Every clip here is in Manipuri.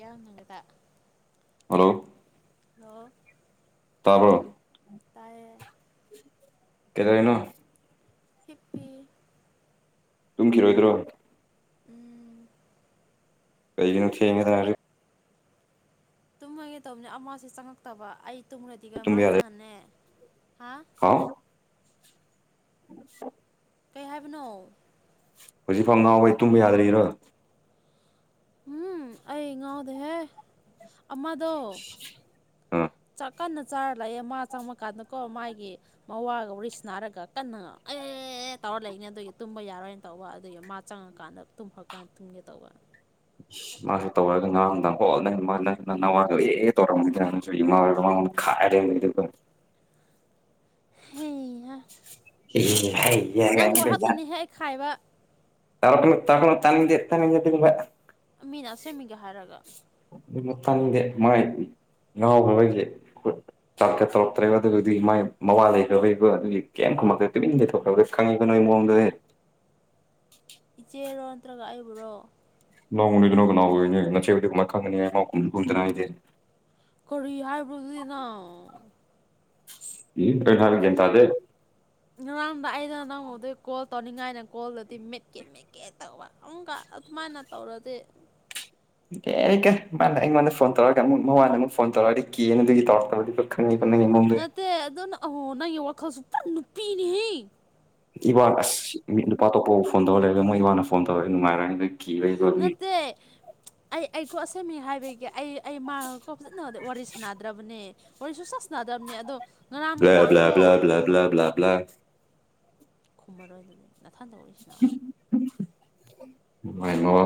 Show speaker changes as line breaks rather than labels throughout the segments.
ꯌꯥꯎꯅꯤꯡꯒꯗ
ꯍꯜꯂꯣ
ꯍꯜꯂꯣ
ꯇꯥꯕ꯭ꯔꯣ
ꯇꯥꯌꯦ
ꯀꯩꯗꯧꯔꯤꯅꯣ
ꯍꯤꯞꯄꯤ
ꯇꯨꯝꯈꯤꯔꯣꯏꯗ꯭ꯔꯣ
ꯎꯝ
ꯀꯩꯒꯤꯅꯣ ꯊꯦꯡꯉꯦꯗ [unintelligible]
ꯇꯨꯝꯃꯒꯦ ꯇꯧꯕꯅꯦ ꯑꯃꯁꯦ ꯆꯪꯉꯛꯇꯕ ꯑꯩ ꯇꯨꯝꯈ꯭ꯔꯗꯤꯒ ꯃꯥ
ꯇꯨꯝꯕ ꯌꯥꯗ꯭ꯔꯦ
ꯆꯪꯉꯅꯦ ꯍꯥ
ꯍꯥꯎ [unintelligible]
ꯀꯩ ꯍꯥꯏꯕꯅꯣ
ꯍꯧꯖꯤꯛ ꯐꯥꯎ ꯉꯥꯎꯋꯦ ꯇꯨꯝꯕ ꯌꯥꯗ꯭ꯔꯤꯔꯣ
ꯎꯝ ꯑꯩ ꯉꯥꯎꯗꯦꯍꯦ ꯑꯃꯗꯣ
ꯑꯥ
ꯆꯥꯛ ꯀꯟꯅ ꯆꯥꯔ ꯂꯩꯌꯦ ꯃꯥ ꯆꯪꯕꯀꯥꯟꯗꯀꯣ ꯃꯥꯒꯤ ꯃꯋꯥꯒ ꯋꯥꯔꯤ ꯁꯥꯟꯅꯔꯒ ꯀꯟꯅ [unintelligible] ꯑꯦ ꯇꯧꯔ ꯂꯩꯅꯤ ꯑꯗꯨꯒꯤ ꯇꯨꯝꯕ ꯌꯥꯔꯣꯏꯅ ꯇꯧꯕ ꯑꯗꯨꯒꯤ ꯃꯥ ꯆꯪꯉꯀꯥꯟꯗ ꯇꯨꯝꯈ꯭ꯔꯀꯥꯟꯗ ꯇꯨꯝꯒꯦ ꯇꯧꯕ
ꯏꯁ ꯃꯥꯖꯦ ꯇꯧꯔꯒ ꯉꯔꯥꯡ ꯅꯨꯡꯗꯥꯡ ꯍꯣꯜꯗ ꯅꯪ ꯃꯥ ꯅꯪ ꯅꯪ ꯅꯋꯥꯗ ꯑꯦ ꯇꯧꯔꯝꯃꯤꯗ ꯅꯪꯁꯨ [unintelligible] ꯈꯥꯏꯔ ꯂꯩꯔꯝꯃꯤꯗꯨꯒ
ꯍꯩꯍꯥ
[unintelligible]
ꯅꯪꯕꯨ ꯍꯛꯇꯅꯤ ꯍꯦꯛ
[unintelligible]
ꯈꯥꯏꯕ
ꯇꯔꯅ ꯇꯈꯅ ꯇꯅꯤꯡꯗꯦ ꯇꯅꯤꯡꯦꯕ
ꯃꯤꯅ ꯑꯁꯣꯏ ꯃꯤꯒ ꯍꯥꯏꯔꯒ
[unintelligible] [unintelligible] [unintelligible] ꯆꯥꯛꯀꯠ ꯇꯧꯔꯛꯇ꯭ꯔꯦꯕ ꯑꯗꯨꯗꯤ ꯃꯥꯏ ꯃꯕꯥ ꯂꯩꯈ꯭ꯔꯕꯩꯕ ꯑꯗꯨꯒꯤ ꯀꯔꯤꯝ ꯈꯨꯝꯃꯛꯇꯦ ꯇꯨꯃꯤꯟ ꯂꯩꯊꯣꯛꯈ꯭ꯔꯕ ꯈꯪꯉꯤꯕ [unintelligible] [unintelligible]
ꯏꯆꯦꯔꯣ ꯅꯠꯇ꯭ꯔꯒ ꯑꯩꯕꯨꯔꯣ
ꯅꯅꯥꯎꯅꯤꯗꯨꯅ ꯀꯅꯥꯎ ꯑꯣꯏꯅꯦ ꯉꯆꯦꯕꯨꯗꯤ ꯀꯃꯥꯏꯅ ꯈꯪꯉꯅꯤꯉꯃꯥꯎꯨꯝ ꯀꯨꯝꯗꯅ ꯍꯥꯏꯗꯤꯦ
ꯀꯔꯤ ꯍꯥꯏꯕꯔꯣ ꯑꯗꯨꯗꯤ ꯅꯪ
[unintelligible] [unintelligible]
ꯉꯔꯥꯡꯗ ꯑꯩꯅ ꯅꯪꯗꯩ ꯀꯣꯜ ꯇꯧꯅꯤꯡꯉꯥꯏꯅ ꯀꯣꯜꯗꯗꯤ ꯃꯦꯠꯀꯦ ꯃꯦꯠꯀꯦ ꯇꯧꯕꯨꯛ ꯁꯨꯃꯥꯏꯅ ꯇꯧꯔꯗꯤ
[inaudible] ꯀꯦ ꯀꯦ ꯃꯥꯅ ꯑꯩꯉꯣꯟꯗ ꯐꯣꯟ ꯇꯧꯔꯒ ꯑꯃꯨꯛ ꯃꯃꯣꯟꯗ ꯑꯃꯨꯛ ꯐꯣꯟ ꯇꯧꯔꯛꯑꯗꯤ ꯀꯦꯅ ꯑꯗꯨꯒꯤ ꯇꯧꯔꯛꯇꯕꯗꯤ ꯈꯪꯉꯕ
ꯅꯠꯇꯦ ꯑꯗꯨ ꯑꯍꯣ ꯅꯪꯒꯤ ꯋꯥꯈꯜꯁꯨ ꯄꯨ ꯅꯨꯄꯤꯅꯤꯍꯦ
ꯏꯕꯥ ꯑꯁ ꯃꯤꯠ ꯅꯨꯄꯥ ꯑꯇꯣꯞꯄꯕꯨ ꯐꯣꯟ ꯇꯧꯔ ꯂꯩꯔꯒꯦ ꯃꯣꯏ ꯏꯕꯥꯅ ꯐꯣꯟ ꯇꯧꯔꯦ ꯅꯨꯡꯉꯥꯏꯔꯦ ꯑꯗꯨ ꯀꯤꯕꯩꯀꯣ ꯑꯗꯨꯒꯤ
ꯅꯠꯇꯦ ꯑꯩ ꯑꯩꯀꯣ ꯑꯁꯦꯝꯃꯤ ꯍꯥꯏꯕꯒꯤ ꯑꯩ ꯑꯩ ꯃꯥꯀꯣ ꯐꯖꯅ ꯋꯥꯔꯤ ꯁꯥꯟꯅꯗ꯭ꯔꯕꯅꯦ ꯋꯥꯔꯤ ꯁꯨꯡꯁꯥ ꯁꯥꯟꯅꯗ꯭ꯔꯕꯅꯦ ꯑꯗꯣ
[unintelligible] [unintelligible]
ꯉꯔꯥꯡ
[unintelligible] [unintelligible]
ꯅꯨꯡꯗꯥꯡꯗꯣ
[unintelligible] [unintelligible] [unintelligible] [unintelligible] [unintelligible] [unintelligible]
ꯈꯨꯝꯃꯔꯣꯏꯗꯨꯗꯤ ꯅꯥꯊꯟꯗ ꯎꯂꯤꯁꯤꯅꯥꯎ
[unintelligible] ꯥꯃꯋꯥ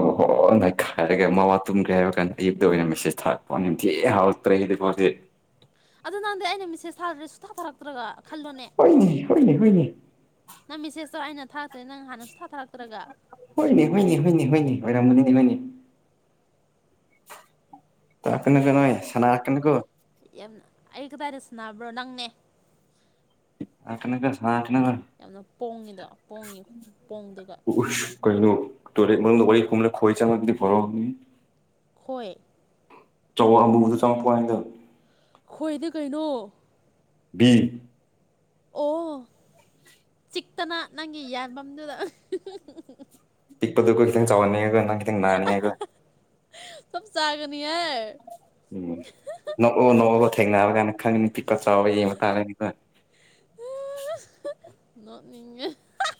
ꯃꯈꯥꯏꯔꯒꯦ ꯃꯃ ꯇꯨꯝꯒ꯭ꯔꯦ ꯍꯥꯏꯕ ꯀꯥꯟꯗ ꯑꯌꯨꯛꯇꯇ ꯑꯣꯏꯅ ꯃꯦꯁꯦꯖ ꯊꯥꯛꯛꯄ ꯅꯤꯡꯊꯤ ꯄꯛꯇ꯭ꯔꯦ ꯑꯩꯗꯤ ꯃꯥꯁꯤ
ꯑꯗꯨ ꯅꯪꯗꯤ ꯑꯩꯅ ꯃꯤꯁꯦꯁ ꯊꯥꯗꯔꯦ ꯁꯨ ꯊꯥꯊꯔꯛꯇ꯭ꯔꯒ
ꯍꯣꯏꯅꯦ ꯍꯣꯏꯅꯦ ꯍꯣꯏꯅꯦ
ꯅꯪ ꯃꯤꯁꯦꯁꯇꯣ ꯑꯩꯅ ꯊꯔꯛꯇꯣꯏ ꯅꯪ ꯍꯥꯟꯅꯁꯨ ꯊꯥꯔꯛꯛꯇ
ꯍꯣꯏꯅꯦ ꯍꯣꯏꯅꯦ ꯍꯣꯏꯅꯦ ꯍꯣꯏꯅꯦ ꯍꯣꯏꯔꯝꯃꯅꯤꯗꯤ ꯍꯅꯦ ꯀꯩꯅꯅ ꯀ ꯅꯣꯏ ꯁꯅꯥꯀꯅꯨꯀꯣ
ꯌꯥꯝ ꯑꯩ ꯀꯗꯥꯏꯗ ꯁꯥꯟꯅꯕ꯭ꯔꯣ ꯅꯪꯅꯦ
ꯁꯅꯥ ꯀꯅꯨꯀꯣ ꯁꯅꯥ
ꯌꯥꯝꯅ ꯄꯣꯡꯉꯤꯗ ꯄꯣꯡꯉꯤ ꯄꯣꯡꯗꯨꯒ
ꯀꯩꯅ ꯇꯦ ꯃꯔ ꯋꯥꯔꯤ ꯋꯥꯔꯤ ꯀ ꯈꯣꯏꯆꯥ ꯃꯗꯤ ꯐꯔ
ꯍꯣꯏ
ꯆꯋꯣꯜ ꯑꯃꯕꯨꯕꯨꯗ ꯆꯪꯉꯛꯄ ꯍꯥꯏꯗ
ꯈꯣꯏꯗꯤ ꯀꯩꯅꯣ
ꯕꯤ
ꯑꯣ ꯆꯤꯛꯇꯅ ꯅꯪꯒꯤ ꯌꯥꯟꯐꯝꯗꯨꯗ
ꯄꯤꯛꯄꯗꯨ ꯀꯇꯪ ꯆꯥꯅꯤ ꯍꯥꯏꯦꯒꯅꯥ ꯀꯇꯪ ꯅꯅꯥꯅꯤ ꯍꯥꯏꯒ
ꯆꯞ ꯆꯥꯒꯅꯤ ꯍꯥꯏ
ꯎꯝ ꯅꯣꯛꯎ ꯅꯣꯛꯎꯒ ꯊꯦꯡꯅꯔ ꯀꯥꯏꯅ ꯈꯪꯉꯅꯤ ꯄꯤꯛꯄ ꯆꯥꯎꯕ ꯌꯦꯡꯕ ꯇꯥꯔꯅꯤꯀꯣ [inaudible]
ꯅꯣꯛꯅꯤꯡꯉꯦ ꯍꯥ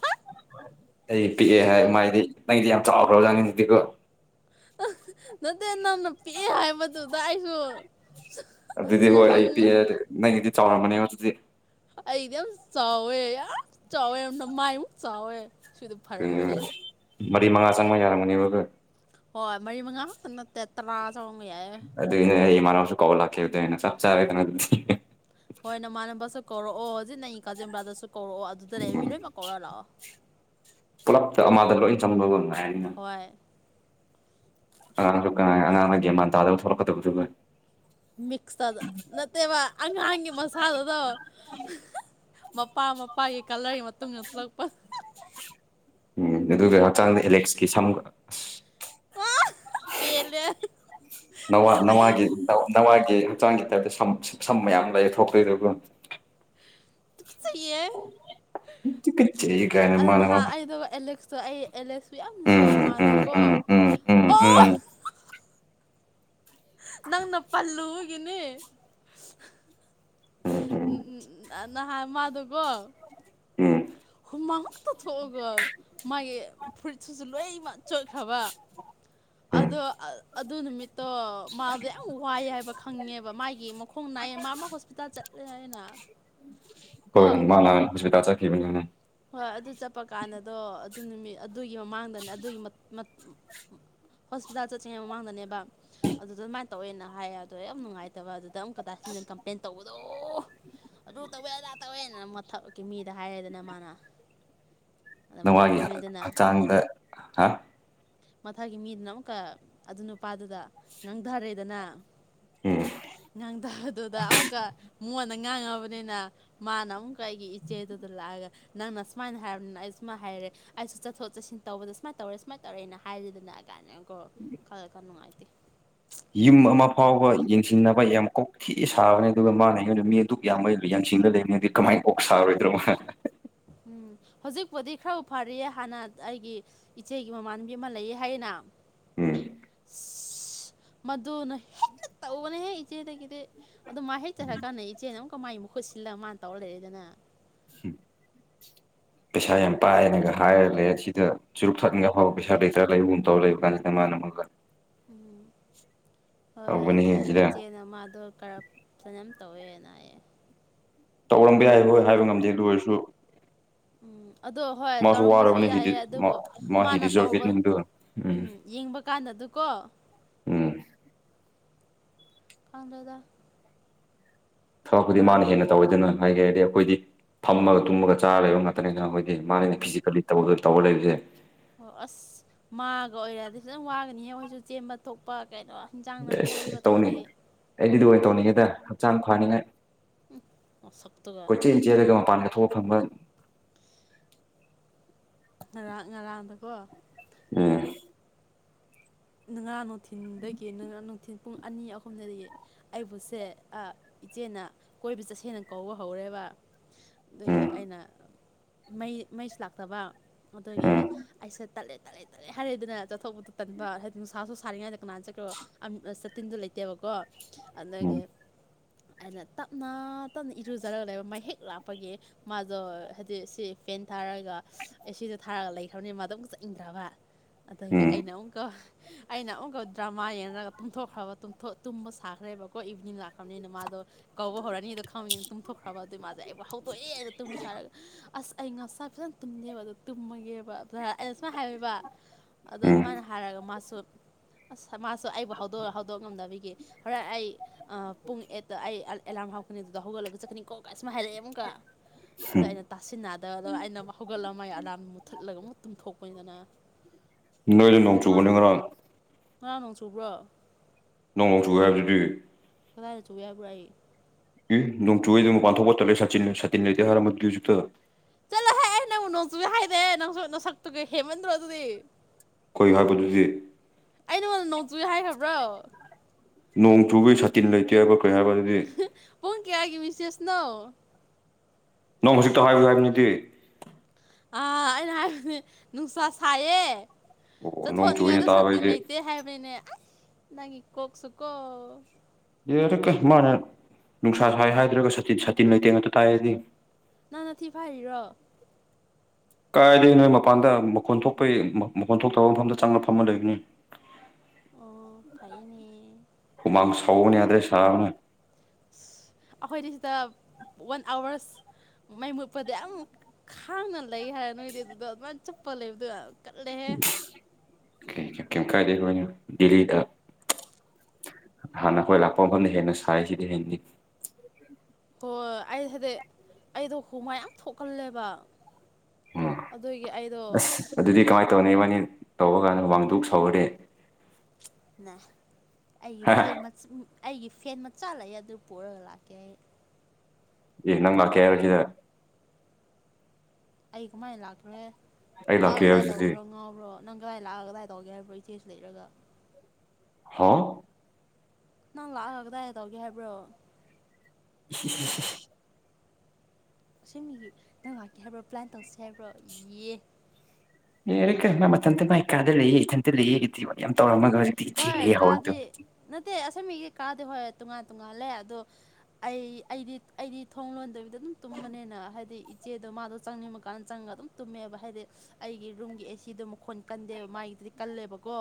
ꯑꯩ ꯄꯤꯛꯑꯦ ꯍꯥꯏ ꯃꯥꯏꯗꯤ ꯅꯪꯗꯤ ꯌꯥꯝ ꯆꯥꯎꯈ꯭ꯔꯣ ꯑꯣꯖꯥꯁꯤꯤꯀꯣ
ꯑꯍꯤ ꯅꯠꯇꯦ ꯅꯪꯅ ꯄꯤꯛꯑꯦ ꯍꯥꯏꯕꯗꯨꯗ ꯑꯩꯁꯨ
ꯑꯗꯨꯗꯤ ꯍꯣꯏ ꯑꯩ
ꯅꯣꯛꯅꯤꯡꯉ
ꯄꯤꯛꯑꯦ ꯅꯪꯒꯤꯗꯤ ꯆꯥꯎꯔꯝꯃꯅꯤ ꯑꯗꯨꯗꯤ
ꯑꯩꯗꯤ ꯌꯥꯝ ꯆꯋꯦ ꯌꯥꯝ ꯆꯥꯎꯋꯦ ꯅꯃꯥꯏꯃꯨꯛ ꯆꯥꯎꯋꯦ ꯁꯨ ꯑꯣꯏꯗꯤ
ꯀꯩꯅꯣ
ꯐꯔꯝꯃꯅꯤ
ꯃꯔꯤ ꯃꯉꯥ ꯆꯪꯕ ꯌꯥꯔꯝꯒꯅꯤꯕꯀꯣ
ꯍꯣꯏ ꯃꯔꯤ ꯃꯉꯥ ꯈꯛꯇ ꯅꯠꯇꯦ ꯇꯔꯥ ꯆꯪꯕ ꯌꯥꯏ
ꯆꯥ [unintelligible]
ꯍꯣꯏ ꯅꯃꯥꯟꯅꯕꯁꯨ ꯀꯧꯔꯛꯑꯣ ꯍꯧꯖꯤꯛ ꯅꯪ ꯀꯥꯖꯤꯜꯕ꯭ꯔꯥꯗꯁꯨ ꯀꯧꯔꯛꯑꯣ ꯑꯗꯨꯗ ꯂꯩ ꯃꯤ ꯂꯣꯏꯅꯃꯛ ꯀꯧꯔ ꯂꯥꯛꯑꯣ
ꯄꯨꯂꯞ ꯑꯃꯥꯗ ꯂꯣꯏꯅ ꯆꯪꯕꯒꯨꯝꯅ
ꯍꯣꯏ
ꯁꯨꯦ [unintelligible]
ꯃꯤꯛꯁꯇ ꯅꯠꯇꯦꯕ ꯑꯉꯥꯡꯒꯤ ꯃꯁꯥꯗꯣ ꯍꯤꯍꯤ ꯃꯄꯥ ꯃꯄꯥꯒꯤ ꯀꯂꯔꯒꯤ ꯃꯇꯨꯡ ꯏꯟꯅ ꯊꯣꯛꯂꯛꯄ
ꯎꯝ ꯑꯗꯨꯒ ꯍꯆꯥꯡꯗ ꯑꯦꯂꯦꯛꯁꯀꯤ ꯁꯝ ꯑꯁ
ꯄꯦꯜꯂꯦ
ꯅꯋꯥ
ꯑꯩ
ꯅꯋꯥꯒꯤ ꯅꯋꯥꯒꯤ ꯍꯛꯆꯥꯡꯒꯤ ꯇꯥꯏꯞꯇ ꯁꯝ ꯁꯝ ꯃꯌꯥꯝ ꯂꯩꯑꯦ ꯊꯣꯛꯇ꯭ꯔꯦ ꯑꯗꯨꯒ
ꯌꯦ
ꯇꯨꯀꯠꯆꯩ ꯀꯥꯏꯅ
ꯑꯗꯨ
ꯃꯥꯅ ꯃꯥ
ꯅꯍꯥꯟ ꯑꯩꯗꯣ ꯑꯦꯂꯦꯛꯁꯇꯣ ꯑꯩ ꯑꯦꯂꯦꯛꯁ ꯁꯨ ꯌꯥꯝ ꯅꯨꯡꯁꯤꯌꯦ
ꯎꯝ ꯎꯝ
ꯃꯥꯗꯣꯀꯣ
ꯎꯝ ꯎꯝ ꯎꯝ
ꯑꯣ
ꯎꯝ
ꯅꯪꯅ ꯄꯜꯂꯨꯕꯒꯤꯅꯦ
ꯎꯝ
ꯎꯝ ꯅꯍꯥꯟ ꯃꯥꯗꯨꯀꯣ
ꯎꯝ
ꯍꯨꯃꯥꯡ ꯑꯃꯨꯛꯇ ꯊꯣꯛꯑꯒ ꯃꯥꯒꯤ ꯐꯨꯔꯤꯠꯁꯨ ꯂꯣꯏꯃꯛ ꯆꯣꯠꯈ꯭ꯔꯕ
ꯎꯝ
ꯑꯣ ꯑꯗꯨ ꯅꯨꯃꯤꯠꯇꯣ ꯃꯥꯗꯣ ꯌꯥꯝ ꯋꯥꯏ ꯍꯥꯏꯕ ꯈꯪꯉꯦꯕ ꯃꯥꯒꯤ ꯃꯈꯣꯡ ꯅꯥꯏꯌꯦ ꯃꯥ ꯃꯥ ꯍꯣꯁꯄꯤꯇꯥꯜ ꯆꯠꯂꯦ ꯍꯥꯏꯌꯦꯅ
ꯍꯣꯏ ꯃꯥ ꯅꯍꯥꯟ ꯍꯣꯁꯄꯤꯇꯥꯜ ꯆꯠꯈꯤꯕꯅꯤꯅꯦ
ꯍꯣꯏ ꯑꯗꯨ ꯆꯠꯄ ꯀꯥꯟꯗꯗꯣ ꯑꯗꯨ ꯅꯨꯃꯤꯠ ꯑꯗꯨꯒꯤ ꯃꯃꯥꯡꯗꯅꯦ ꯑꯗꯨꯒꯤ
ꯎꯝ
ꯍꯣꯁꯄꯤꯇꯥꯜ ꯆꯠꯇ꯭ꯔꯤꯉꯩ ꯃꯃꯥꯡꯗꯅꯦꯕ ꯑꯗꯨꯗ ꯑꯗꯨꯃꯥꯏꯅ ꯇꯧꯋꯦꯅ ꯍꯥꯏꯌꯦ ꯑꯗꯣ ꯌꯥꯝ ꯅꯨꯡꯉꯥꯏꯇꯕ ꯑꯗꯨꯗ ꯑꯃꯨꯛꯀ ꯗꯥ ꯁꯤꯖꯤꯟꯅ ꯀꯝꯄ꯭ꯂꯦꯟ ꯇꯧꯕꯗꯣ ꯑꯗꯨ ꯇꯧꯋꯦ ꯑꯗꯥ ꯇꯧꯋꯦꯅ ꯃꯊꯛꯀꯤ ꯃꯤꯗ ꯍꯥꯏꯔꯦꯗꯅ ꯃꯥꯅ ꯑꯗ ꯃꯊꯛꯀꯤ
ꯅꯋꯥꯒꯤ
ꯃꯤꯗꯨꯅ
ꯍꯛꯆꯥꯡꯗ ꯍꯥ
ꯃꯊꯥꯒꯤ ꯃꯤꯗꯨꯅ ꯑꯃꯨꯛꯀ ꯑꯗꯨ ꯅꯨꯄꯥꯗꯨꯗ ꯉꯥꯡꯊꯔꯦꯗꯅ
ꯎꯝ
ꯉꯥꯡꯗꯕꯗꯨꯗ ꯑꯃꯨꯛꯀ ꯃꯣꯟꯗ ꯉꯥꯡꯉꯕꯅꯤꯅ ꯃꯥꯅ ꯑꯃꯨꯛꯀ ꯑꯩꯒꯤ ꯏꯆꯦꯗꯨꯗ ꯂꯥꯛꯑꯒ ꯅꯪꯅ ꯁꯨꯃꯥꯏꯅ ꯍꯥꯏꯔꯕꯅꯤꯅ ꯑꯩ ꯁꯨꯥꯏꯅꯔꯦ ꯑꯩꯁꯨ ꯆꯠꯊꯣꯛ ꯆꯠꯁꯤꯟ ꯇꯧꯕꯗ ꯁꯨꯥꯏꯅ ꯇꯧꯔꯦ ꯁꯨꯃꯥꯏꯅ ꯇꯧꯔꯦ ꯍꯥꯏꯔꯤꯗꯅ ꯀꯥꯏꯅꯀꯣ ꯈꯜꯂ ꯈꯔ ꯅꯨꯡꯉꯥꯏꯇꯦ
ꯌꯨꯝ ꯑꯃ ꯐꯥꯎꯕ ꯌꯦꯡꯁꯤꯟꯅꯕ ꯌꯥꯝ ꯀꯣꯛꯊꯤ ꯁꯥꯕꯅꯤ ꯑꯗꯨꯒ ꯃꯥꯅ ꯑꯩꯉꯣꯟꯗ ꯃꯤ ꯑꯗꯨꯛ ꯌꯥꯝꯕ ꯌꯦꯡꯁꯤꯟꯂ ꯂꯩꯕꯅꯤꯗꯤ ꯀꯃꯥꯏꯅ ꯑꯣꯛ ꯁꯥꯔꯣꯏꯗ꯭ꯔꯣ
ꯎꯝ ꯍꯧꯖꯤꯛꯄꯨꯗꯤ ꯈꯔ ꯐꯔꯤꯌꯦ ꯍꯥꯟꯅ ꯑꯩꯒꯤ ꯏꯆꯦꯒꯤ ꯃꯃꯥꯟꯅꯕꯤ ꯑꯃ ꯂꯩꯌꯦ ꯍꯥꯏꯌꯦꯅ
ꯎꯝ
ꯃꯗꯨꯅ ꯍꯦꯛꯇ ꯇꯧꯕꯅꯦ ꯍꯦ ꯏꯆꯦ ꯗꯒꯤꯗꯤ ꯑꯗꯣ ꯃꯥ ꯍꯦꯛ ꯆꯔꯛꯀꯥꯟꯗ ꯏꯆꯦꯅ ꯑꯃꯛ ꯀꯃꯥꯏ ꯃꯈꯨꯨꯠ ꯁꯤꯜꯂꯒ ꯃꯥꯅ ꯇꯧꯔ ꯂꯩꯔꯦꯗꯅ
[inaudible] ꯄꯩꯁꯥ ꯌꯥꯝ ꯄꯥꯏꯌꯦꯅꯒ ꯍꯥꯏꯔ ꯂꯩ ꯁꯤꯗ ꯆꯨꯔꯨꯞ ꯊꯛꯅꯤꯡꯉꯥꯏ ꯐꯥꯎꯕ ꯄꯩꯁꯥ ꯂꯩꯇ꯭ꯔꯒ ꯂꯩꯕꯒꯨꯝ ꯇꯧꯔ ꯂꯩꯕ ꯀꯥꯟꯁꯤꯗ ꯃꯥꯅ [unintelligible]
ꯎꯝ ꯍꯣꯏ
ꯇꯧꯕꯅꯦꯍꯦ
ꯏꯆꯦ
ꯁꯤꯗ
ꯏꯆꯦꯅ ꯃꯥꯗꯣ ꯀꯔꯞ ꯐꯅ ꯇꯧꯋꯦꯅꯌꯦ
ꯇꯧꯔꯝꯕ ꯌꯥꯏ ꯍꯣꯏ ꯍꯥꯏꯕ ꯉꯝꯗꯦ ꯑꯗꯨ ꯑꯣꯏꯔꯁꯨ
ꯎꯝ ꯑꯗꯣ ꯍꯣꯏ
ꯃꯥꯁꯨ
ꯇꯧꯔꯝꯕꯁꯨ
ꯋꯥꯔꯕꯅꯤ ꯍꯤꯗꯤ
ꯌꯥꯏꯑꯦ
ꯃꯥ
ꯑꯗꯨꯕꯨ
ꯃꯥ ꯍꯤ
ꯃꯥꯅ
ꯗꯤꯖꯔꯞ ꯏꯠ
ꯇꯧꯕ
ꯅꯪꯗꯨ
ꯎꯝ ꯌꯦꯡꯕ ꯀꯥꯟꯗ ꯀꯣ
ꯎꯝ
ꯈꯪꯗ꯭ꯔꯦꯗ
ꯊꯕꯛꯄꯨꯗꯤ ꯃꯥꯅ ꯍꯦꯟꯅ ꯇꯧꯋꯦꯗꯅ ꯍꯥꯏꯒꯦ ꯍꯥꯏꯗꯤ ꯑꯩꯈꯣꯏꯗꯤ ꯐꯝꯃꯒ ꯇꯨꯝꯃꯒ ꯆꯥꯔ ꯂꯩꯕ ꯉꯥꯛꯇꯅꯤꯅ ꯑꯈꯣꯏ ꯑꯦ ꯃꯥꯅꯤꯅꯦ ꯐꯤꯖꯤꯀꯦꯜꯂꯤ ꯇꯧꯔꯒ ꯇꯧꯔ ꯂꯩꯕꯁꯦ
ꯑꯣ ꯑꯁ ꯃꯥꯒ ꯑꯣꯏꯔꯗꯤ ꯐꯖꯅ ꯋꯥꯒꯅꯤꯍꯦ ꯍꯣꯏꯁꯨ ꯆꯦꯟꯕ ꯊꯣꯛꯄ ꯀꯩꯅꯣ ꯍꯤꯟꯖꯥꯡ ꯅꯥꯄꯤ
ꯑꯦꯁ
ꯂꯩꯕ
ꯇꯧꯅꯤꯡ
ꯇꯧꯔꯗꯤ
ꯑꯩꯗꯤ ꯑꯣꯏꯅ ꯇꯧꯅꯤꯡꯉꯦꯗ ꯍꯛꯆꯥꯡ ꯐꯅꯤꯉꯥꯏ
ꯃꯁꯛꯇꯨꯒ
ꯀꯣꯢꯆꯦꯟ ꯆꯦꯟꯔꯒ ꯃꯄꯥꯟ ꯊꯣꯛꯑ ꯐꯪꯕꯟ
ꯉꯔꯥꯡ ꯉꯔꯥꯡ ꯗꯀꯣ
ꯎꯝ
ꯅꯉꯥꯅꯨ ꯊꯤꯟꯗꯣꯏꯒꯤ ꯅ ꯉꯥꯅꯨ ꯊꯤꯟ ꯄꯨꯡ ꯑꯅꯤ ꯑꯍꯨꯝꯗꯗꯤ ꯑꯩꯕꯨꯁꯦ ꯑ ꯏꯆꯦꯅ ꯀꯣꯏꯕ ꯆꯠꯁꯦꯅ ꯀꯧꯕ ꯍꯧꯔꯦꯕ ꯑꯥ ꯑꯗꯨꯒꯤ
ꯎꯝ
ꯑꯩꯅꯩ ꯃꯩ ꯃꯩꯁꯨ ꯂꯥꯛꯇꯕ ꯑꯗꯨꯒꯤ ꯑꯩꯁꯦ ꯇꯜꯂꯦ ꯇꯜꯂꯦ ꯇꯜꯂꯦ ꯍꯥꯏꯔꯦꯗꯅ ꯆꯠꯊꯣꯛꯄꯗꯨ ꯇꯟꯕ ꯅꯨꯡꯁꯥꯁꯨ ꯁꯥꯔꯤꯉꯩꯗ ꯀꯅꯥꯅ ꯆꯈ꯭ꯔꯣ ꯑꯝ ꯁꯥꯠꯇꯤꯟꯗꯨ ꯂꯩꯇꯦꯕꯀꯣ
ꯎꯝ
ꯑꯗꯒꯤ ꯑꯩꯅ ꯇꯞꯅ ꯇꯞꯅ ꯏꯔꯨꯖꯔꯒ ꯂꯩꯕ ꯃꯍ ꯍꯦꯛ ꯂꯥꯛꯄꯒꯤ ꯃꯥꯗꯣ ꯍꯥꯏꯗꯤ ꯁꯤ ꯐꯦꯟ ꯊꯥꯔꯒ ꯑꯦ ꯁꯤꯗꯣ ꯊꯥꯔꯒ ꯂꯩꯈ꯭ꯔꯕꯅꯦ ꯃꯥꯗꯣ ꯑꯃꯨꯛꯀ ꯆꯠꯅꯤꯡꯗ꯭ꯔꯕ ꯑꯗꯒꯤ
ꯎꯝ
ꯑꯩꯅ ꯑꯃꯨꯛꯀꯣ ꯑꯩꯅ ꯑꯃꯨꯛꯀ ꯗ꯭ꯔꯃꯥ ꯌꯦꯡꯔꯒ ꯇꯨꯝꯊꯣꯛꯈ꯭ꯔꯕ ꯇꯨꯝꯊꯣꯛ ꯇꯨꯝꯕ ꯁꯥꯈ꯭ꯔꯦꯕꯀꯣ ꯏꯚꯅꯤꯡ ꯂꯥꯛꯈ꯭ꯔꯕꯅꯤꯅ ꯃꯥꯗꯣ ꯀꯧꯕ ꯍꯧꯔꯅꯤ ꯑꯗꯣ ꯈꯪꯉꯤ ꯇꯨꯝꯊꯣꯛꯈ꯭ꯔꯕ ꯑꯗꯨꯏ ꯃꯥꯖꯦ ꯑꯩꯕꯨ ꯍꯧꯗꯣꯛꯑꯦ ꯅ ꯇꯨꯝꯕ ꯁꯥꯔꯒ ꯑꯁ ꯑꯩ ꯉꯛ ꯁꯥꯖꯦꯜ ꯇꯨꯝꯅꯦꯕ ꯑꯗꯣ ꯇꯨꯝꯃꯒꯦꯕ ꯑꯗ ꯑꯩꯅ ꯁꯨꯃꯥꯏꯅ ꯍꯥꯏꯕ ꯑꯗꯣ
ꯎꯝ
ꯑꯗꯨꯃꯥꯏꯅ ꯍꯥꯏꯔꯒ ꯃꯥ ꯇꯨꯠ ꯑꯁ ꯃꯥꯁꯨ ꯑꯩꯕꯨ ꯍꯧꯗꯣꯛ ꯍꯧꯗꯣꯛ ꯉꯝꯗꯕꯒꯤ ꯍꯣꯔꯦꯟ ꯑꯩ ꯑꯥ ꯄꯨꯡ ꯑꯦꯠꯇ ꯑꯩ ꯑꯦ ꯑꯦꯂꯥꯝ ꯍꯧꯒꯠꯀꯅꯤ ꯑꯗꯨꯗ ꯍꯧꯒꯠꯂꯒ ꯆꯠꯀꯅꯤꯀꯣ ꯀꯥꯏ ꯁꯨꯃꯥꯏ ꯍꯥꯏꯔꯛꯑꯦ ꯑꯃꯨꯛꯀ ꯑꯗꯨꯗ
ꯎꯝ
ꯑꯩꯅ ꯇꯥꯁꯤꯟꯅꯗꯕꯗ ꯑꯩꯅ ꯑꯃꯨꯛ ꯍꯧꯒꯠꯂ ꯃꯥꯒꯤ ꯑꯂꯥꯝ ꯃꯨꯠꯊꯠꯂꯒ ꯑꯃꯨꯛ ꯇꯨꯝꯊꯣꯛꯄꯅꯤꯗꯅ
ꯅꯣꯏꯅ ꯅꯣꯡ
ꯃꯥ
ꯆꯨꯒꯅꯤꯀꯣ
ꯉꯔꯥꯡ ꯅꯣꯡ ꯆꯨꯕ꯭ꯔꯣ
ꯅꯣꯡ ꯆꯨꯢꯌꯦ ꯍꯥꯏꯕꯗꯨꯗꯤ
ꯀꯥꯗꯥꯢꯗ ꯆꯨꯢꯌꯦ ꯍꯥꯢꯕꯥ꯭ꯔꯣ ꯑꯩ
ꯏ ꯅꯣꯡꯆꯨꯑꯦꯗꯤ ꯃꯄꯥꯟ ꯊꯣꯛꯄ ꯇꯜꯂꯦ ꯁꯇꯤꯟ ꯁꯇꯤꯟ ꯂꯩꯇꯦ ꯍꯥꯏꯔꯝꯕꯗꯨꯗꯤ ꯍꯧꯖꯤꯛꯇ
ꯅꯣꯡꯆꯨꯋꯦ ꯍꯥꯢꯗꯦ ꯅꯪꯁꯨ ꯅꯁꯛꯇꯨꯒꯦ ꯍꯦꯃꯟꯗ꯭ꯔꯣ ꯑꯗꯨꯗꯤ
ꯀꯩ ꯍꯥꯏꯕꯗꯨꯗꯤ
ꯑꯩ ꯅꯉꯣꯟꯗ ꯅꯣꯡ ꯆꯨꯏ ꯍꯥꯏꯈ꯭ꯔꯕ꯭ꯔꯣ
ꯅꯣꯡ ꯆꯨꯕꯒꯤ ꯁꯥꯇꯤꯟ ꯂꯩꯇꯦꯕ
[unintelligible] ꯄꯨꯡ ꯀꯌꯥꯒꯤ ꯃꯤꯁꯦꯁꯅꯣ
ꯅꯪ ꯍꯧꯖꯤꯛꯇ ꯍꯥꯏꯌꯨ ꯍꯥꯏꯕꯅꯤꯗꯤ
ꯑꯥ ꯑꯩꯅ ꯍꯥꯏꯕꯗꯤ ꯅꯨꯡꯁꯥ ꯁꯥꯏꯌꯦ
ꯑꯣ ꯅꯣꯡ
ꯆꯠꯊꯣꯛꯅꯤꯡꯉꯥꯏ
ꯆꯨꯅ
ꯗꯨ ꯁꯥꯠꯇꯤꯟ
ꯇꯥꯕꯩꯗꯤ
ꯂꯩꯇꯦ ꯍꯥꯏꯕꯅꯤꯅꯦ ꯑꯁ ꯅꯪꯒꯤ ꯀꯣꯛꯁꯨꯀꯣ
ꯑꯦ ꯑꯗꯨꯀꯛ ꯃꯥꯅ ꯅꯨꯡꯁꯥ ꯁꯥꯏ ꯍꯥꯏꯗ꯭ꯔꯒꯁꯨ ꯁꯥꯇꯤꯟ ꯁꯥꯇꯤꯟ ꯂꯩꯇꯦ ꯑꯗꯨ ꯇꯥꯢꯌꯦ ꯑꯩꯗꯤ
ꯅꯪ ꯅꯊꯤ ꯐꯥꯢꯔꯤꯔꯣ
ꯀꯥꯏꯗꯒꯤ ꯅꯣ ꯃꯄꯥꯟꯗ ꯃꯈꯣꯟ ꯊꯣꯛꯄꯒꯤ ꯃꯈꯣꯟ ꯊꯣꯛꯇꯕ ꯃꯐꯝꯗ ꯆꯪꯉꯥ ꯐꯝꯃ ꯂꯩꯕꯅꯤ
ꯑꯣ ꯐꯩꯅꯦ
ꯍꯨꯃꯥꯡ ꯁꯧꯕꯅ ꯌꯥꯗ꯭ꯔꯦ ꯁꯥꯕꯅ
ꯑꯩꯈꯣꯏꯗꯤ ꯁꯤꯗ ꯋꯥꯟ ꯑꯥꯋꯔꯁ ꯃꯩ ꯃꯨꯠꯄꯗ ꯌꯥꯝ ꯈꯥꯡꯅ ꯂꯩ ꯍꯥꯏꯌꯦ ꯅꯣꯏꯗꯤ ꯑꯗꯨꯗꯣ ꯑꯗꯨꯃꯥꯏꯅ ꯆꯞꯄ ꯂꯩꯕꯗ ꯀꯜꯂꯦꯍꯦ
ꯀꯦꯝ ꯀꯥꯢꯗꯦ ꯗꯦꯂꯤꯗ ꯍꯥꯟꯅ ꯑꯩꯈꯣꯏ ꯂꯥꯛꯄ ꯃꯐꯝꯗ ꯍꯦꯟꯅ ꯁꯥꯏꯁꯤꯗꯤ ꯍꯦꯟꯅꯤ
ꯍꯣꯏ ꯑꯩ ꯍꯥꯏꯗꯤ ꯑꯩꯗꯣ ꯍꯨꯃꯥꯡ ꯌꯥꯝ ꯊꯣꯛꯀꯜꯂꯦꯕ
ꯎꯝ
ꯑꯗꯨꯒꯤ ꯑꯩꯗꯣ
ꯇꯧꯅꯩꯕꯥꯅꯤ ꯇꯧꯕ ꯀꯥꯟꯗ ꯍꯨꯃꯥꯡꯗꯨꯛ ꯁꯧꯔꯗꯤ
ꯅꯦ ꯑꯩꯒꯤ
ꯍꯥ
ꯐꯦꯟ ꯃꯆꯥ ꯑꯩꯒꯤ ꯐꯦꯟ ꯃꯆꯥ ꯂꯩꯑꯦ ꯑꯗꯨ ꯄꯨꯔꯒ ꯂꯥꯛꯀꯦ ꯑꯩ
ꯑꯦ ꯅꯪ ꯂꯥꯛꯀꯦ ꯍꯥꯢꯔ ꯀꯤꯔ
ꯑꯩ ꯀꯃꯥꯏ ꯂꯥꯛꯇꯣꯔꯦ
ꯑꯩ
ꯂꯥꯛꯑ
ꯂꯥꯛꯀꯦ
ꯀꯗꯥꯏ
ꯍꯥꯏꯕꯁꯤꯗꯤ
ꯇꯧꯒꯦꯔꯣ ꯉꯥꯎꯕ꯭ꯔꯣ ꯅꯪ ꯀꯗꯥꯏ ꯂꯥꯛꯑꯒ ꯀꯗꯥꯏ ꯇꯧꯒꯦ ꯍꯥꯏꯕ꯭ꯔꯣ ꯏꯆꯦꯁꯨ ꯂꯩꯔꯒ
ꯍꯥ
ꯅꯪ ꯂꯥꯛꯑꯒ ꯀꯗꯥꯏ ꯇꯧꯒꯦ ꯍꯥꯏꯕ꯭ꯔꯣ
[unintelligible]
ꯁꯦꯡꯕꯒꯤ ꯅꯪ ꯉꯥꯛꯀꯦ ꯍꯥꯏꯕ꯭ꯔꯣ ꯄ꯭ꯂꯥꯟ ꯇꯧꯁꯦ ꯍꯥꯏꯕ꯭ꯔꯣ ꯌꯦ
ꯑꯦ ꯀꯦ ꯃꯥ ꯃꯊꯟꯇ ꯃꯥꯏ ꯀꯥꯗ ꯂꯩꯦꯥꯌꯦ ꯏꯊꯟ ꯂꯩꯦꯥꯌꯦ ꯌꯥꯝ ꯇꯧꯔꯃꯒ
ꯍꯣꯏ ꯀꯥꯗꯤ ꯅꯠꯇꯦ ꯑꯁꯦꯡꯕꯒꯤ ꯀꯥꯗꯤ ꯍꯣꯏ ꯇꯣꯉꯥꯟ ꯇꯣꯉꯥꯟꯂ ꯑꯗꯣ ꯑꯩ ꯑꯩꯗꯤ ꯑꯩꯗꯤ ꯊꯣꯡ ꯂꯣꯟꯗꯕꯤꯗ ꯑꯗꯨꯝ ꯇꯨꯝꯕꯅꯤꯅ ꯍꯥꯏꯗꯤ ꯏꯆꯦꯗꯣ ꯃꯥꯗꯣ ꯆꯪꯅꯤꯡꯕꯀꯥꯟꯗ ꯆꯪꯉꯒ ꯑꯗꯨꯝ ꯇꯨꯝꯃꯦꯕ ꯍꯥꯏꯗꯤ ꯑꯩꯒꯤ ꯔꯨꯝꯒꯤ ꯑꯦꯁꯤꯗꯣ ꯃꯈꯣꯟ ꯀꯟꯗꯦꯕ ꯃꯥꯒꯤ ꯗꯤ ꯀꯜꯂꯦꯕꯀꯣ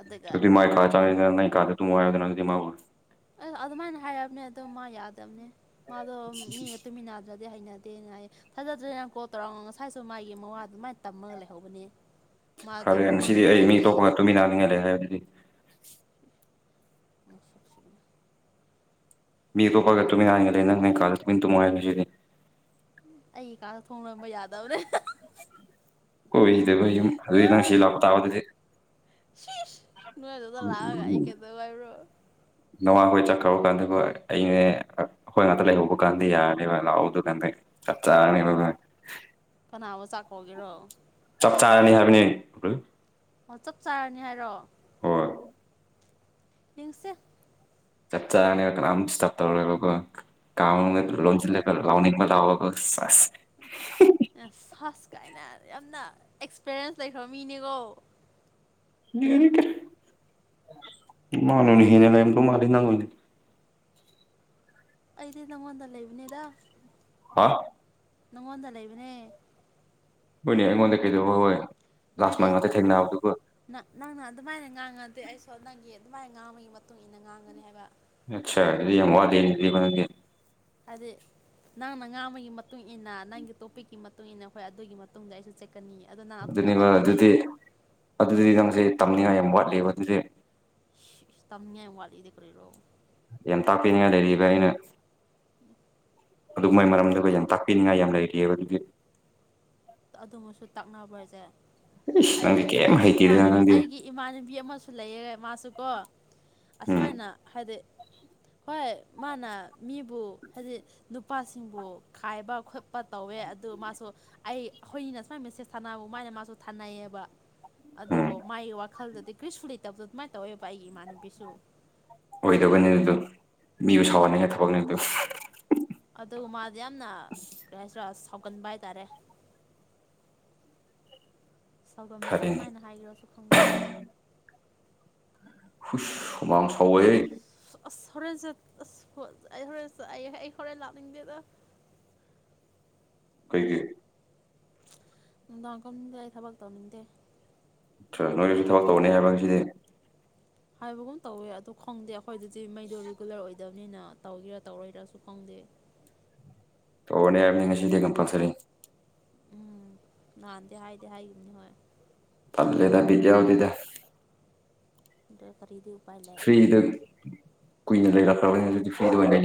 ꯑꯗꯨꯒ
ꯑꯗꯨꯗꯤ ꯃꯥꯒꯤ ꯀꯥꯗ ꯆꯪꯉꯗꯤ ꯃꯥꯒꯤ ꯀꯥꯗ ꯇꯨꯝꯃꯣ ꯍꯥꯏꯌꯨꯗꯅ ꯃꯥꯕꯨ
ꯑꯩ ꯑꯗꯨꯃꯥꯏꯅ ꯍꯥꯏꯔꯕꯅꯦ ꯑꯗꯣ ꯃꯥ ꯌꯥꯗꯕꯅꯤ ꯃꯥꯗꯣ ꯃꯤꯒ ꯇꯨꯃꯤꯟꯅꯗ꯭ꯔꯗꯤ ꯍꯩꯅꯗꯦ ꯇꯦꯅ ꯍꯥꯏ ꯊꯥꯖꯗ꯭ꯔꯦꯅ ꯀꯣꯜ ꯇꯧꯔ ꯉꯁꯥꯏꯁꯨ ꯃꯥꯒꯤ ꯃꯋꯥꯗꯨꯃꯥꯏꯅ ꯇꯝꯃꯒ ꯂꯩꯍꯧꯕꯅꯦ ꯃꯥꯗꯣ
ꯐꯔꯦ
ꯃꯃꯪ
ꯉꯁꯤꯗꯤ ꯑꯩ ꯃꯤ
ꯅꯨꯡꯉꯥꯏꯇꯦ
ꯇꯣꯛꯞꯄꯒ ꯇꯨꯃꯤꯟꯅꯅꯤꯡꯉꯥꯏ ꯂꯩꯔꯦ ꯑꯗꯨꯗꯤ ꯃꯤ ꯑꯇꯣꯞꯄꯒ ꯇꯨꯃꯤꯟꯅꯤꯒ ꯂꯩ ꯅꯪ ꯀꯥꯗ ꯇꯨꯃꯤꯅ ꯇꯨꯝꯃꯣ ꯍꯥꯏꯌꯣ ꯉꯁꯤꯗꯤ
ꯑꯩꯒꯤ ꯀꯥꯗꯣ ꯊꯣꯡ ꯂꯣꯟ
[unintelligible] ꯑꯗꯨꯗꯤ ꯅꯪ ꯁꯤꯗ ꯂꯥꯛꯄ ꯇꯥꯕ ꯗꯨꯗꯤ
ꯍꯤꯁ ꯅꯣꯏ ꯑꯗꯨꯗ ꯂꯥꯛꯑꯒ ꯑꯩ ꯀꯩꯗꯧ ꯍꯥꯏꯕ꯭ꯔꯣ
ꯇꯧ ꯀꯥꯟꯗꯀꯣ ꯑꯩꯅꯦ ꯈꯣꯏ ꯉꯥꯛꯇ ꯂꯩꯍꯧꯕꯒꯥ ꯀꯥꯟꯗꯤ ꯌꯥꯔꯅꯤꯕ ꯂꯥꯛꯑꯣ ꯑꯗꯨꯀꯥꯟꯗ ꯆꯞ ꯆꯥꯔꯅꯤ ꯍ [unintelligible]
ꯀꯅꯥꯕꯨ ꯆꯥꯛ ꯀꯧꯒꯦꯔꯣ
ꯆꯞ ꯆꯥꯔꯅꯤ ꯍꯥꯏꯕꯅꯤ
ꯑꯣ ꯆꯞ ꯆꯥꯔꯅꯤ ꯍꯥꯏꯔꯣ
ꯍꯣꯏ
ꯌꯦꯡꯁꯦ
ꯆꯞ ꯆꯥꯔꯅꯤ ꯀꯅꯥꯝ ꯗꯤꯁꯇꯔꯞ ꯇꯧꯔꯔꯣꯏꯕꯀꯣ ꯀꯥ ꯃꯅꯨꯡꯗ
ꯎꯝ
ꯂꯣꯟꯁꯤꯜꯂ ꯂꯥꯎꯅꯤꯡꯕ ꯂꯥꯛꯑꯣꯀꯣ ꯁꯦꯁ
ꯑꯦꯁ ꯍꯁ ꯀꯥꯏꯅ ꯌꯥꯝꯅ ꯑꯦꯛꯁꯄꯤꯔꯤꯌꯦꯟꯁ ꯂꯩꯈ꯭ꯔꯕ ꯃꯤꯅꯦꯀꯣ
ꯂꯩꯇꯦ ꯃꯥꯅ ꯑꯣꯏꯅ ꯍꯦꯟꯅ ꯂꯩꯔꯝꯗꯣꯏ ꯃꯤꯜꯂꯤ ꯅꯪ ꯑꯣꯏꯅ
ꯑꯩꯗꯤ ꯅꯪꯉꯣꯟꯗ ꯂꯩꯕꯅꯤꯗ
ꯍꯥ
ꯅꯪꯉꯣꯟꯗ ꯂꯩꯕꯅꯦ
ꯍꯣꯏꯅꯦ ꯑꯩꯉꯣꯟꯗ ꯀꯩꯗꯧꯕ ꯍꯣꯏ ꯂꯥꯁ ꯅꯥꯏꯠ
ꯍꯥꯏꯗꯤ
ꯉꯥꯛꯇ ꯊꯦꯡꯅꯕꯗꯨꯒ
ꯅ ꯅꯪꯅ ꯑꯗꯨꯃꯥꯏꯅ ꯉꯥꯡꯉꯗꯤ ꯑꯩꯁꯨ ꯅꯪꯒꯤ ꯑꯗꯨꯃꯥꯏꯅ ꯉꯥꯡꯕꯒꯤ ꯃꯇꯨꯡ ꯏꯟꯅ ꯉꯥꯡꯒꯅꯤ ꯍꯥꯏꯕ
ꯑꯠꯁꯥ [unintelligible]
ꯑꯗꯤ ꯅꯪꯅ ꯉꯥ ꯑꯃꯒꯤꯒꯤ ꯃꯇꯨꯡ ꯏꯟꯅ ꯅꯪꯒꯤ ꯇꯣꯄꯤꯛꯀꯤ ꯃꯇꯨꯡ ꯃꯇꯨꯡꯏꯟꯅ ꯍꯣꯏ ꯑꯗꯨꯒꯤ ꯃꯇꯨꯡ ꯑꯩꯁꯨ ꯆꯠꯀꯅꯤ ꯑꯗꯣ ꯅꯪ ꯑꯗꯨꯝ
ꯑꯗꯨꯅꯦꯕ
ꯑꯇꯣꯞꯄꯒꯤ
ꯑꯗꯨꯗꯤ
ꯋꯥꯔꯤ
ꯑꯗꯨꯗꯤ ꯅꯪꯁꯦ ꯇꯝꯅꯤꯡꯉꯥꯏ ꯌꯥꯝ ꯋꯥꯠꯂꯤꯕ ꯑꯗꯨꯗꯤ
ꯇꯃꯤꯌꯥ ꯎꯕꯂꯤꯗ ꯀꯔꯤꯔꯣ
ꯌꯥꯝ ꯇꯥꯛꯄꯤꯅꯤꯡꯉꯥꯏ ꯂꯩꯔꯤꯕ ꯑꯩꯅ ꯑꯗꯨ ꯃꯥꯏ ꯃꯔꯝꯗ ꯌꯥꯝ ꯇꯥꯛꯄꯤꯅꯤꯡꯉꯥꯏ ꯌꯥꯝ ꯂꯩꯔꯤꯑꯕ ꯑꯗꯨꯒꯤ
ꯑꯗꯨꯃꯁꯨ ꯇꯛꯅꯕ꯭ꯔꯖꯦ ꯑꯩꯒꯤ
ꯅꯪꯗꯤ ꯀꯩꯝ
ꯑꯩꯒꯤ ꯏꯃꯥꯟ
ꯍꯩꯇꯦꯗꯅ ꯅꯪꯗꯤ
ꯑꯩꯒꯤ ꯏꯃꯥꯟꯅꯕꯤ ꯑꯃꯁꯨ ꯂꯩꯌꯦ ꯃꯥꯁꯨꯀꯣ
ꯎꯝ
ꯑꯁꯃꯥꯏꯅ ꯍꯥꯏꯗꯤ
[inaudible]
ꯍꯣꯏ ꯃꯥꯅ ꯃꯤꯕꯨ ꯍꯥꯏꯗꯤ ꯅꯨꯄꯥꯁꯤꯡꯕꯨ ꯈꯥꯏꯕ ꯈꯣꯠꯄ ꯇꯧꯋꯦ ꯑꯗꯨ ꯃꯥꯁꯨ ꯑꯩ ꯑꯩꯈꯣꯏꯅꯤꯅ ꯁꯨꯃꯥꯏꯅ ꯃꯦꯁꯦꯖ ꯊꯥꯅꯕ ꯃꯥꯥꯏꯅ ꯃꯥꯁꯨ ꯊꯥꯅꯩꯌꯦꯕ
ꯎꯝ
ꯑꯗꯨꯕꯨ ꯃꯥꯒꯤ ꯋꯥꯈꯜꯗꯗꯤ ꯀ꯭ꯔꯤꯁꯄꯨ ꯂꯩꯇꯕꯗꯣ ꯑꯗꯨꯃꯥꯏꯅ ꯇꯧꯋꯦꯕ ꯄꯥꯏ ꯑꯩꯒꯤ ꯏꯃꯥꯟꯅꯕꯤꯁꯨ
ꯑꯣꯏꯗꯕꯅꯤ ꯑꯗꯨ ꯃꯤꯕꯨ ꯁ꯭ꯋꯥꯍꯟꯅꯤꯡꯉꯥꯢ ꯊꯕꯛꯅꯦꯕꯨ
ꯑꯗꯨ ꯃꯥꯗꯤ ꯌꯥꯝꯅ ꯀꯩ ꯍꯥꯏꯁꯤꯔꯥ ꯁꯥꯎꯒꯟꯕ ꯍꯥꯏꯇꯥꯔꯦ ꯁꯥꯎꯒꯟꯕꯁꯦ
ꯐꯔꯦꯅꯦ
ꯀꯃꯥꯏꯅ ꯍꯥꯏꯒꯦꯔꯁꯨ ꯈꯪꯗꯦ
ꯍꯨꯁ ꯍꯨꯃꯥꯡ ꯁꯥꯎꯋꯦ
ꯑꯁ ꯑꯁ ꯍꯣꯔꯦꯟ ꯆꯠ ꯑꯁ ꯑꯩ ꯍꯣꯔꯦꯟꯠ ꯑꯩ ꯑꯩ ꯍꯣꯔꯦꯟ ꯂꯥꯛꯅꯤꯡꯗꯦꯗ
ꯀꯩꯒꯤ
ꯅꯨꯡꯗꯥꯡꯈꯣꯗ ꯑꯩ ꯊꯕꯛ ꯇꯧꯅꯤꯡꯗꯦ
ꯇ꯭ꯔ ꯅꯣꯏꯒꯤꯁꯨ ꯊꯕꯛ ꯇꯧꯅꯤ ꯍꯥꯏꯕ ꯉꯁꯤꯗꯤ
ꯍꯥꯏꯕꯒꯨꯝ ꯇꯧꯋꯦ ꯑꯗꯨ ꯈꯪꯗꯦ ꯑꯩꯈꯣꯏꯗꯗꯤ ꯃꯩꯗꯣ ꯔꯤꯒꯨꯂꯔ ꯑꯣꯏꯗꯦ ꯗꯕꯅꯤꯅ ꯇꯧꯒꯦꯔꯥ ꯇꯧꯔꯣꯏꯔꯁꯨ ꯈꯪꯗꯦ
ꯇꯧꯔꯅꯦ ꯍꯥꯏꯕꯅꯤ ꯉꯁꯤꯗꯤ ꯀꯝꯄꯜꯁꯔꯤ
ꯎꯝ ꯅꯍꯥꯟꯗꯤ ꯍꯥꯏꯗꯤ ꯍꯥꯏꯈꯤꯕꯅꯤ ꯍꯣꯏ
ꯇꯜꯂꯦꯗ ꯕꯤꯗ ꯌꯥꯎꯗꯦꯗ
ꯗꯦ ꯐꯔꯤꯗꯤ
ꯐ꯭ꯔꯤꯗ ꯀꯨꯏꯅ ꯂꯩꯔꯛꯈ꯭ꯔꯕꯅꯤ ꯍꯧꯖꯤ ꯐ꯭ꯔꯤꯗ ꯑꯣꯏꯅ ꯂꯩ